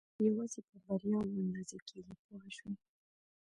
یوازې په بریاوو اندازه کېږي پوه شوې!.